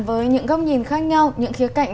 với những góc nhìn khác nhau những khía cạnh